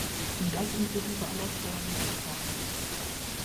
Und das inklusive aller Steuern und Abgaben.